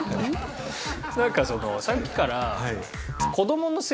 なんかそのさっきから。